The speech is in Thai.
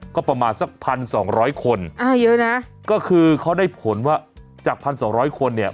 ก็ประมาณสักพันสองร้อยคนอ่าเยอะนะก็คือเขาได้ผลว่าจากพันสองร้อยคนเนี่ย